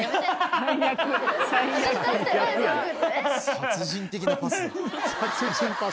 殺人的なパスだ。